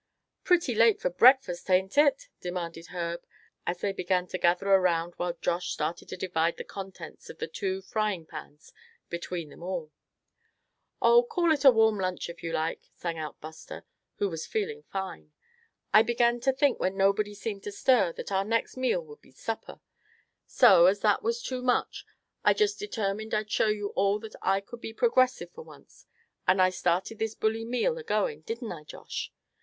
"Pretty late for breakfast, ain't it?" demanded Herb as they began to gather around while Josh started to divide the contents of the two fryingpans between them all. "Oh! call it a warm lunch if you like," sang out Buster, who was feeling fine; "I began to think when nobody seemed to stir, that our next meal would be supper. So, as that was too much, I just determined I'd show you all that I could be progressive for once, and I started this bully meal agoing, didn't I, Josh?"